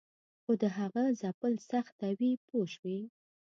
خو د هغه ځپل سختوي پوه شوې!.